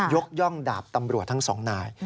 ย่องดาบตำรวจทั้งสองนาย